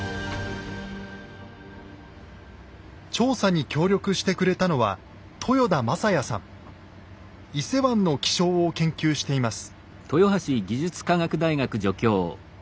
調査に協力してくれたのは伊勢湾の気象を研究しています。